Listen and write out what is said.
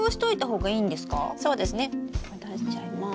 出しちゃいます。